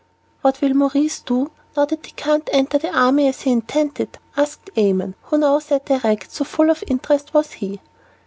"What will Maurice do, now that he can't enter the army as he intended?" asked Annon, who now sat erect, so full of interest was he.